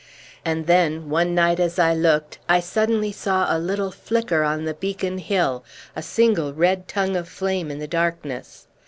And then one night as I looked I suddenly saw a little flicker on the beacon hill a single red tongue of flame in the darkness.